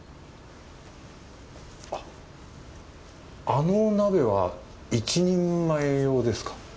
あっあの鍋は１人前用ですか？